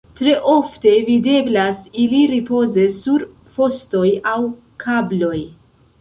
Tre ofte videblas ili ripoze sur fostoj aŭ kabloj.